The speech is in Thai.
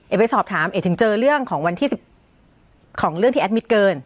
ไปสอบถามเอกถึงเจอเรื่องของวันที่๑ของเรื่องที่แอดมิตเกิน